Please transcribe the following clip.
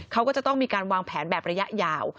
เขาก็จะต้องมีการวางแผนแบบระยะยาว